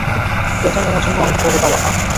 এটাই আমার জন্য অনেক বড় পাওয়া, মা।